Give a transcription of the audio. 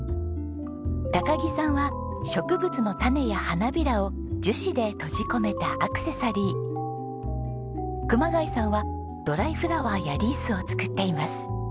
木さんは植物の種や花びらを樹脂で閉じ込めたアクセサリー熊谷さんはドライフラワーやリースを作っています。